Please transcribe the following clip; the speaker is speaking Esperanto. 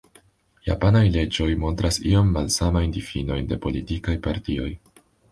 Japanaj leĝoj montras iom malsamajn difinojn de politikaj partioj.